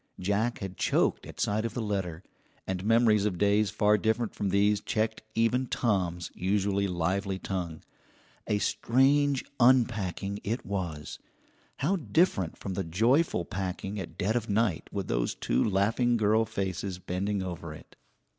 Jack had choked at sight of the letter, and memories of days far different from these checked even Tom's usually lively tongue. A strange unpacking it was; how different from the joyful packing at dead of night with those two laughing girl faces bending over it!